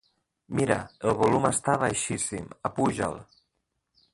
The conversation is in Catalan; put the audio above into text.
Mira, el volum està baixíssim; apuja'l.